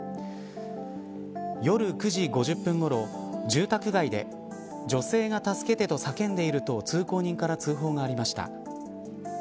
夜９時５０分ごろ住宅街で女性が助けてと叫んでいると通行人から通報がありました。